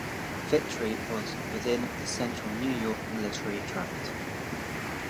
Victory was within the Central New York Military Tract.